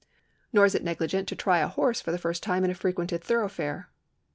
Nor is it negligent to try a horse f(U' the first time in a frequented thoroughfare.